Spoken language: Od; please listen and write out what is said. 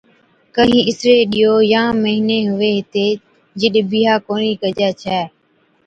ڪهِين اِسڙي ڏِيئو يان مھيني ھُوي ھِتي جِڏَ بِيھا ڪونهِي ڪَجي ڇَي